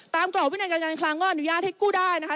กรอบวินัยการการคลังก็อนุญาตให้กู้ได้นะคะ